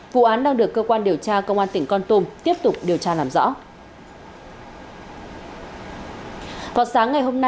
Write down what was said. vụ án đang được cơ quan điều tra công an tỉnh con tôm tiếp tục điều tra làm rõ